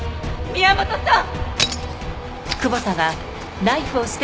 宮本さん！